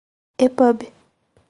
epub